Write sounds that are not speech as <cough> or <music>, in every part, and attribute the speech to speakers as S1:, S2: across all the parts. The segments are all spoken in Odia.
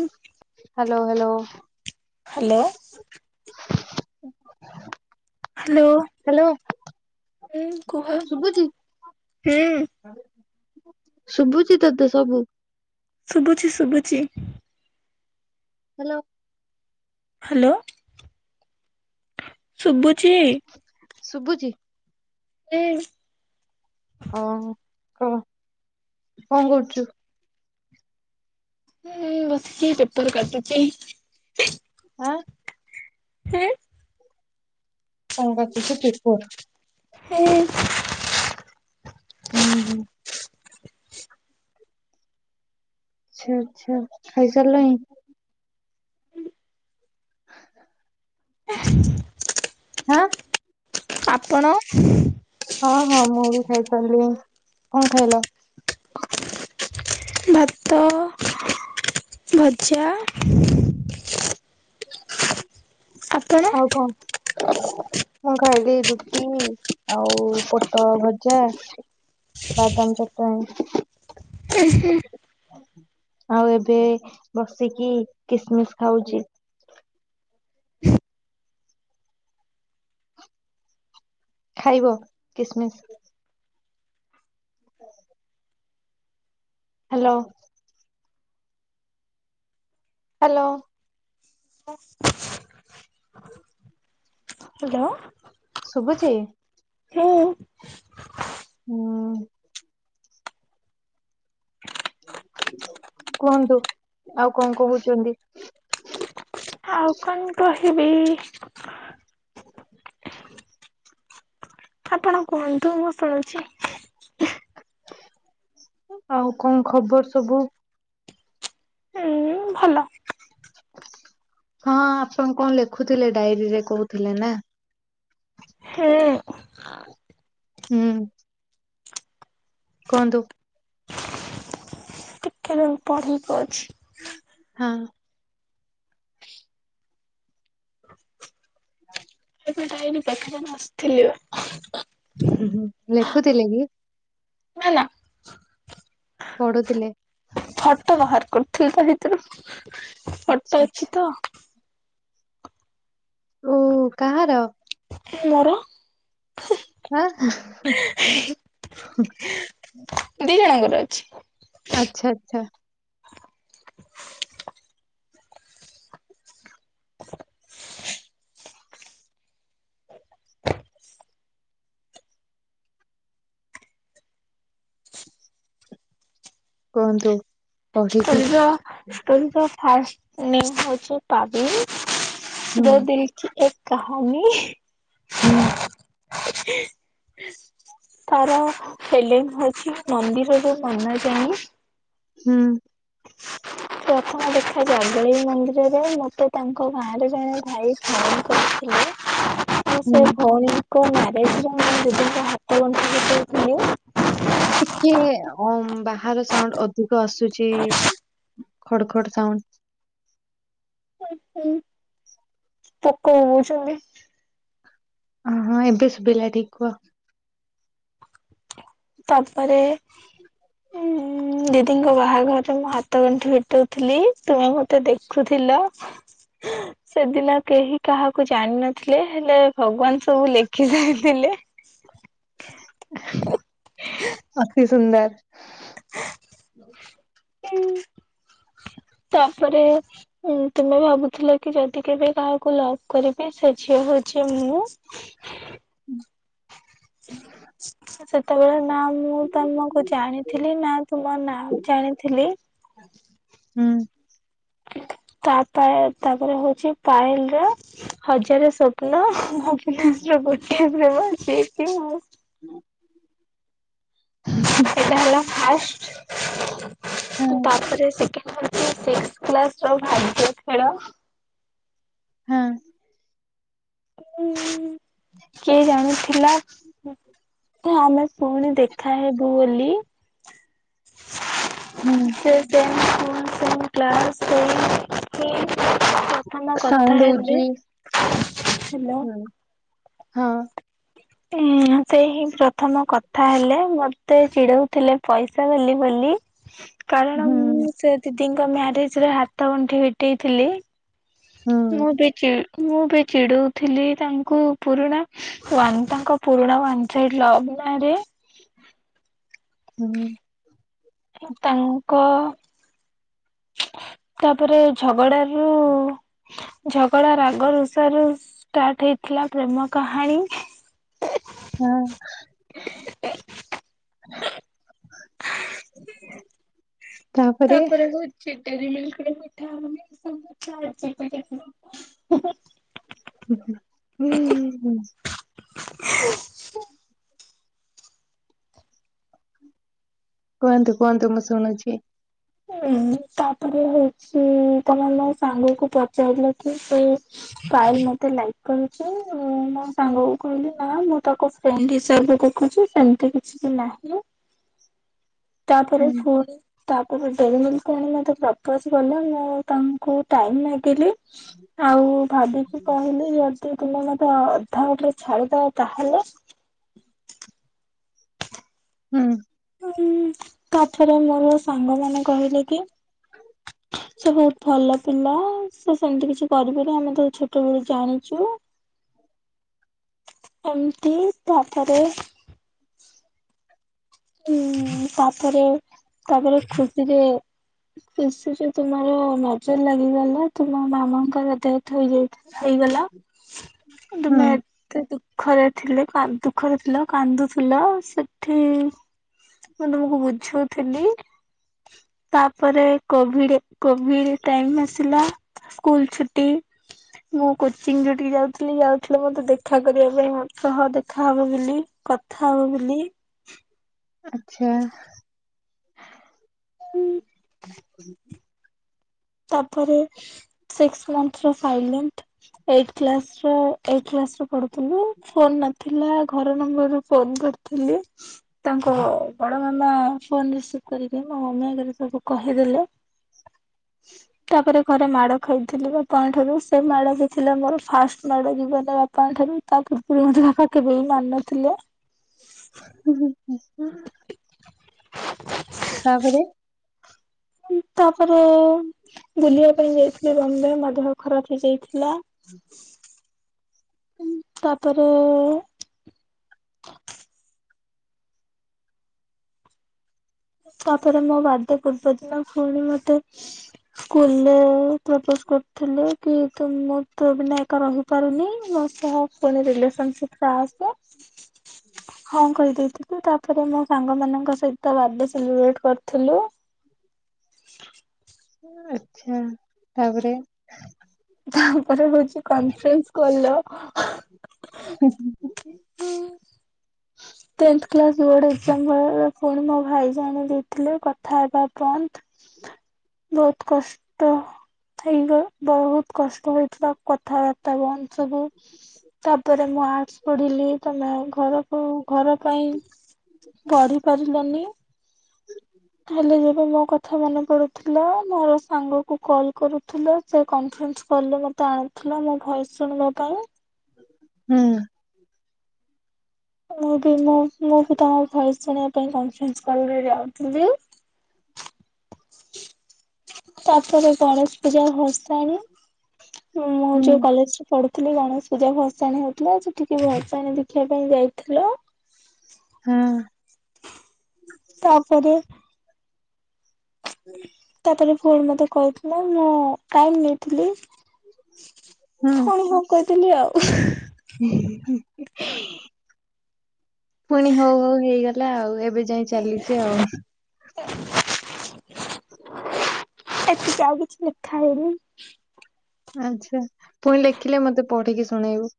S1: ଉଁ
S2: ହାଲୋ ହାଲୋ।
S1: ହାଲୋ।
S2: ହ <unintelligible>
S1: ହାଲୋ। ହୁଁ କୁହ
S2: ଶୁଭୁଛି
S1: ହୁଁ।
S2: ଶୁଭୁଚି ତତେ ସବୁ?
S1: ଶୁଭୁଚି ଶୁଭୁଚି।
S2: ହାଲୋ।
S1: ହାଲୋ। ଶୁଭୁଚି?
S2: ଶୁଭୁଚି।
S1: ଏଇ।
S2: ଓ କଁ କଁ କରୁଚୁ?
S1: ଏଇ ବସଚି ପେପର କାଟୁଚି।
S2: ଆଁ।
S1: <unintelligible>
S2: କଁ କାଟୁଛ ପେପର?
S1: ହୁଁ।
S2: ହୁଁ ହୁଁ। ଆଚ୍ଛା ଆଚ୍ଛା ଖାଇ ସାରିଲଇ। ଆଁ।
S1: ଆପଣ
S2: ହଁ ହଁ ମୁଁ ବି ଖାଇ ସାରଲୁଇ। କଁ ଖାଇଲ?
S1: ଭାତ, ଭଜା। <inaudible> ଆପଣ
S2: ଆଉ କଣ ମୁଁ ଖାଇଲି। ରୁଟି ଆଉ ପୋଟଳ ଭଜା। ବାଦାମ ଚଟଣି।
S1: <inaudible>
S2: ଆଉ ଏବେ ବସିକି କିସମିସ ଖାଉଚି। ଖାଇବ କିସମିସ? ହାଲୋ। ହାଲୋ।
S1: ହାଲୋ।
S2: ଶୁଭୁଚି?
S1: ହୁଁ।
S2: ହୁଁ। କୁହନ୍ତୁ ଆଉ କଁ କହୁଛନ୍ତି?
S1: ଆଉ କଣ କହିବି? ଆପଣ କୁହନ୍ତୁ ମୁଁ ଶୁଣୁଛି।
S2: ଆଉ କଣ ଖବର ସବୁ?
S1: ହୁଁ ଭଲ।
S2: ହଁ ଆପଣ କଣ ଲେଖୁଥିଲେ ଡାଏରୀରେ କହୁଥିଲେ ନା।
S1: ହୁଁ।
S2: ହୁଁ। କୁହନ୍ତୁ?
S1: ତୁ ପଢିବୁ ଅଛି।
S2: ହଁ। ହଁ।
S1: ମୁ ଡାଏରୀ ପାଖେରେ ବସଥିଲି ଏବେ।
S2: ଉ ହୁଁ ଲେଖୁଥିଲେ କି?
S1: <unintelligible> ନା।
S2: ପଢୁଥିଲେ।
S1: ଫଟୋ ବାହାର କରୁଥିଲି ତା ଭିତୁରୁ ଫଟୋ
S2: ଆଚ୍ଛା ଆଚ୍ଛା
S1: ଅଛି ତ।
S2: ଓ କାହାର।
S1: ମୋର।
S2: ହ ହଁ ହଁ।
S1: ଦି ଜଣଙ୍କର ଅଛି
S2: ଆଛା ଆଛା
S1: <inaudible> <unintelligible>
S2: କୁହନ୍ତୁ। ପଢିକି
S1: ଷ୍ଟୋରୀ ର ଷ୍ଟୋରୀ ର ଫାଷ୍ଟ ନେମ ହଉଚି
S2: ହୁଁ
S1: ପାବିନ। ଦୋ ଦିଲ୍ କି ଏକ କହାନୀ।
S2: ହୁଁ
S1: ହଁ ହେ ତାର ହେଲେନ ହଉଛି ମନ୍ଦିରରୁ ମନ ଯାଏ।
S2: ହୁଁ
S1: <unintelligible> ପ୍ରଥମ ଦେଖା ଜାଗୁଳାଇ ମନ୍ଦିରରେ ମତେ ତାଙ୍କ ଗାଁରେ ଜଣେ ଭାଇ ଫୋନ କରିଥିଲେ ହେଲୋ ସେ
S2: ହୁଁ।
S1: ଭଉଣୀଙ୍କ ମ୍ୟାରେଜରେ ମୁ ଦିଦିଙ୍କ ହାତ ଗଣ୍ଠି ଫିଟଉଥିଲୀ
S2: ଟିକେ ଅଁ ବାହାର ସାଉଣ୍ଡ ଅଧିକ ଆସୁଛି ଖଡ଼ ଖଡ଼ ସାଉଣ୍ଡ।
S1: ହଁ ପୋକ ବୋବଉଛନ୍ତି
S2: ଅ ହଁ ଏବେ ଶୁଭିଲା ଠିକ କୁହ।
S1: ତା ପରେ ଉଁ ଦିଦିଙ୍କ ବାହାଘରରେ ମୁଁ ହାତ ଗଣ୍ଠି ଫିଟଉଥିଲି ତୁମେ ମତେ ଦେଖୁଥିଲ। ଲୋ ସେଦିନ କେହି କାହାକୁ ଜାଣିିନଥିଲେ ହେଲେ ଭଗବାନ ସବୁ ଲେଖି ଯାଇଥିଲେ
S2: ଅତି ସୁନ୍ଦର
S1: ହୁଁ। ତାପରେ ତୁମେ ଭାବୁଥିଲ କି ଯଦି କେବେ କାହାକୁ ଲଭ୍ କରିବି ସେ ଝିଅ ସେ ଝିଅ ମୁଁ
S2: ହୁଁ
S1: ସେତେବେଳେ ନା ମୁଁ ତମକୁ ଜାଣିଥିଲି ନା ତୁମ ନାଁ ଜାଣିଥିଲି
S2: ହୁଁ
S1: ତାପ ତାପରେ ହଉଛି ପାଏଲ ର ହଜାରେ ସ୍ୱପ୍ନ ଗୋଟିଏ ପ୍ରେମ ଆସଛି ମୁଁ
S2: <unintelligible>
S1: ସେଇଟା ହେଲା ଫାଷ୍ଟ।
S2: ହଁ
S1: ତାପରେ ସେକେଣ୍ଡ ହଉଚି ସିକ୍ସ୍ କ୍ଲାସ ର ଭାଗ୍ୟ ଖେଳ।
S2: ହଁ।
S1: ହିଁ କିଏ ଜାଣିଥିଲା ଆମେ ପୁଣି ଦେଖାହବୁ ବୋଲି।
S2: ହୁଁ
S1: ସେ ସେମ। ପୁଣି ସେମ କ୍ଲାସ ସେଇ ହିଁ ପ୍ରଥମ କଥା
S2: ସାଉଣ୍ଡ
S1: ହେଲେ
S2: ହଉଛି
S1: ହାଲୋ।
S2: ହୁଁ। ହଁ।
S1: ଏ। ସେ ହିଁ ପ୍ରଥମ କଥା ହେଲେ ମତେ ଚିଡଉଥିଲେ ପଇସା ବାଲି ବୋଲି କାରଣ
S2: ହୁଁ
S1: ମୁଁ ସେ ଦିଦିଙ୍କ ମ୍ୟାରେଜ ରେ ହାତ ଗଣ୍ଠି ଫିଟେଇଥିଲି।
S2: ହୁଁ
S1: ମୁଁ ବି ଚିଡ ମୁଁ ବି ଚିଡଉଥିଲି ତାଙ୍କୁ ପୁରୁଣା ୱାଙ୍ଗ ତାଙ୍କ ପୁରୁଣା ୱାନ ସାଇଡ୍ ଲଭ୍ ନାରେ।
S2: ହୁଁ।
S1: ତାଙ୍କ ତାପରେ ଝଗଡା ରୁ ଝଗଡା ରାଗ ରଷାରୁ ଷ୍ଟାର୍ଟ ହେଇଥିଲା ପ୍ରେମ କାହାଣୀ।
S2: ହଁ <unintelligible>
S1: ତାପରେ ହଉଛି। ଏରିମିଲିକି ମିଠା ହଉନି ସବୁ <unintelligible>
S2: ହୁଁ ହୁଁ। କୁହନ୍ତୁ କୁହନ୍ତୁ ମୁଁ ଶୁଣୁଛି।
S1: ହୁଁ। ତାପରେ ହଉଛି ତମେ ମୋ ସାଙ୍ଗକୁ ପଚାରିଲ କି ସେ ପା ମତେ ଲାଇକ୍ କରୁଛି ମୋ ସାଙ୍ଗକୁ କହିଲି ନା ମୁଁ ତା ଫ୍ରେଣ୍ଡ ହିସାବରେ ଦେଖୁଛି। ଏମିତି କିଛି ବି ନାହିଁ ତାପରେ
S2: ହୁଁ
S1: ପୁଣି ତା ଗୋଟେ ଡେରିମିଲ୍କ ମୋତେ ପ୍ରପୋଜ୍ କଲେ ମୁଁ ତାଙ୍କୁ ଟାଇମ୍ ମାଗିଲି ଆଉ। ଭାବିକି କହିଲି ଇଏସ। ସେ ପିଲା ମତେ ଅଧା ବାଟରେ ଛାଡିଦବ ତାହେଲେ?
S2: ହୁଁ।
S1: <inaudible> ତାଥରେ ମୋର ସାଙ୍ଗ ମାନେ କହିଲେ କି? ସେ ବହୁତ ଭଲ ପିଲା ସେ ସେମତି କିଛି କରିବନି ଆମେ ତ ଛୋଟବେଳୁ ଜାଣିଛୁ। ଏମତି ତାପରେ ହୁଁ ତାପରେ ତାପରେ ଛୁଟି ରେ <inaudible> ତୁମର ନଜର ଲାଗିଗଲା ତୁମ ମାମାଙ୍କର ଦେହେତ ହେଇଯାଇଛି। ହେଇଗଲା କିନ୍ତୁ ମା
S2: ହୁଁ
S1: ଏତ ଦୁଃଖ। ଦୁଖରେ ଥିଲେ କାଦୁ ଦୁଃଖରେ ଥିଲା କାନ୍ଦୁଥିଲ ସେଠି। ମୁଁ ତମକୁ ବୁଝୁଥିଲି। ତାପରେ କୋଭିଡ କୋଭିଡ ଟାଇମ ଆସିଲା ସ୍କୁଲ ଛୁଟି ମୁଁ କୋଚିଂ ଯୋଠିକି ଯାଉଥିଲି ଯାଉଥିଲେ ମତେ ଦେଖା କରିବା ପାଇଁ ମତ ଦେଖାହବ ବୋଲି ଥାଉ। ବିଲି
S2: ଆଛା।
S1: ତାପରେ ସିକସ ମନଥର ସାଇଲେଣ୍ଟ ଏଇଟ୍ କ୍ଲାସ ର ପଢୁଥିଲି ଫୋନ ନଥିଲା। ଘର ନମ୍ବରୁ ଫୋନ କରିଥିଲି ତାଙ୍କ ବଡ଼ ମାମା ଫୋନ ରିସିଭି କରିଲେ। ମୋ ମମି ଆଗରେ ସବୁ କହିଦେଲେ। ତାପରେ ଘରେ ମାଡ ଖାଇଥିଲି ବାପାଙ୍କ ଠାରୁ ସେ ମାଡ ହି ଥିଲା ମୋର ଫାଷ୍ଟ୍ ମାଡ ଜୀବନରେ ବାପାଙ୍କ ଠାରୁ। ତା ପୂର୍ବରୁ ମତେ ବାପା କେବେ ବିି ମାରିନଥିଲେ।
S2: ହୁଁ, ହୁଁ <inaudible>
S1: <unintelligible>
S2: ତାପରେ
S1: ତାପରେ ବୁଲିବା ପାଇଁ ଯାଇଥିଲି ବମ୍ବେ ମୋ ଦେହ ଖରାପ ହେଇଯାଇଥି ଲା ତାପରେ ତାପରେ ମୋ ବାଡେ ପୂର୍ବ ଦିନ ପୁଣି ମତେ ସ୍କୁଲରେ ପ୍ର ପୋଜ୍ କରୁଥିଲେ କି ତୁ ମୁଁ ତୋ ବିନା ଏକା ରହିପାରୁନି ମୋ ସହ ପୁଣି ରିଲେସନସିପ୍ ଆସେ ହଁ କହିଦେଇଥିଲି ତାପରେ ମୋ ସାଙ୍ଗ ମାନଙ୍କ ସହିତ ବାଡେ ସେଲିବ୍ରେଟ କରିଥିଲୁ।
S2: ଆଚ୍ଛା ତାପରେ
S1: ତାପରେ ହଉଛି କନଫ୍ରେରନ୍ସ କଲ।
S2: <inaudible>
S1: Tenth class board. ସମୟରେ ପୁଣି ମୋ ଭାଇ ଜାଣି ଦେଇଥିଲେ କଥା ହବା ବନ୍ଦ। ବହୁତୁ କଷ୍ଟ। ସେଇପା ବହୁତୁ କଷ୍ଟ ହୋଇଥିଲା କଥାବାର୍ତ୍ତା ବନ୍ଦ ସବୁ ତାପରେ ମୁଁ ଆର୍ଟ୍ସ ପଢିଲି ତମେ ଘରକୁ ଘର ପାଇଁ ପଢି ପାରିଲନି।
S2: ହ <unintelligible>
S1: ହେଲେ ଯେବେ ମୋ କଥା ମନେ ପଡ଼ୁଥିଲା, ମୋର ସାଙ୍ଗକୁ କଲ୍ କରୁଥିଲ। ସେ କନଫରେନ୍ସ କଲ୍ ରେ ମୋତେ ଆଣି ଥିଲା ମୋ ଭଏସ ଶୁଣିବା ପାଇଁ।
S2: ହୁଁ।
S1: ମୁଁ ବି ମୁଁ ମୁ ବି ତମ ଭଏସ୍ ଶୁଣିବା ପାଇଁ କନଫରେନ୍ସ କଲରେ ଯାଉଥିଲି। ତାପରେ ଗଣେଶ ପୂଜା ଭସାଣି ହଁ- ମୁଁ
S2: ହୁଁ
S1: ଯୋଉ କଲେଜରେ ପଢୁ ଥିଲି ଗଣେଶ ପୂଜା ଭସାଣି ହଉଥିଲା, ସେଠିକି ଭସାଣି ଦେଖିବା ପାଇଁ ଯାଇଥିଲ। <inaudible>
S2: ହୁଁ।
S1: ତାପରେ
S2: ଯାଇଚି।
S1: ତାରେ ପୁଣି ମତେ କହିଥିଲା, ମୁଁ ଟାଇମ୍ ନେଇଥିଲି। ଫୁଣି ହଁ କହିଦେଲି ଆଉ।
S2: ହିଁ - ହିଁ। ପୁଣି ହଉ ହଉ ହେଇଗଲା ଆଉ, ଏବେ ଯାଏଁ ଚାଲିଛି ଆଉ।
S1: <inaudible> ଏତିକି, ଆଉ କିଛି ଲେଖା ହେଇନି?
S2: ଆଚ୍ଛା ପୁଣି ଲେଖିଲେ ମତେ ପଢିକି ଶୁଣେଇବୁ।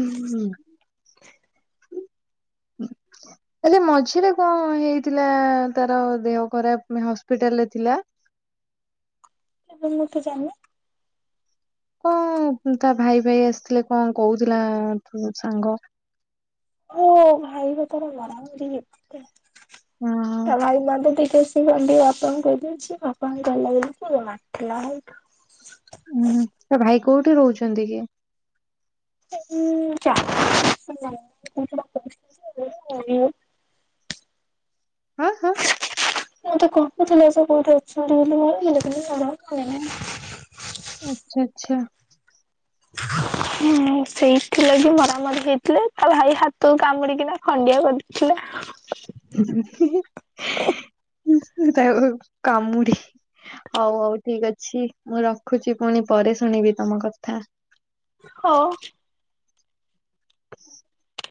S2: ହୁଁ- ହୁଁ।
S1: <unintelligible>
S2: ହୁଁ <inaudible> ହେଲେ ମଝିରେ କଣ ହେଇଥିଲା, ତାର ଦେହ ଖରାପ ହସ୍ପିଟାଲରେ ଥିଲା।
S1: <unintelligible> ମୁଁ ତ ଜାଣିନି?
S2: କଣ ତା ଭାଇ ଭାଇ ଆସିଥିଲେ, କଣ କହୁଥିଲା ସାଙ୍ଗ
S1: ହଁ ଭାଇ ବା ତାର ନାହାନ୍ତି,
S2: ହଁ
S1: ତା ଭାଇ ବଡେ <unintelligible> ଇ ସେ ଖଣ୍ଡି ବାପାଙ୍କୁ କହିଦେଇଛି, ବାପାଙ୍କୁ ଭଲ ଲାଗିଲାନି ସେ ମାରିଥିଲା ଆଉ
S2: ହୁଁ ତା ଭାଇ କୋଉଠି ରହୁଛନ୍ତି କି?
S1: ଉଁ <inaudible>
S2: ହଁ ହଁ
S1: ମତେ କହୁଥିଲା ସେ କୋଉଠି ଅଛନ୍ତି ବୋଲି, ମୋର <unintelligible> ଆଉ ମନେ ନାହିଁ।
S2: ଆଛା।
S1: ହୁଁ ସେଇଥିଲାଗି ମରାମରି ହେଇଥିଲେ, ତା ଭାଇ ହାତ କାମୁଡିକିନା ଖଣ୍ଡ ଣ୍ଡିଆ କରିଦେଇଥିଲା।
S2: <unintelligible> କାମୁଡି ହଉ ହଉ ଠିକ ଅଛି ମୁଁ ରଖୁଛି, ପୁଣି ପରେ ଶୁଣିବି ତମ କଥା।
S1: ହଉ।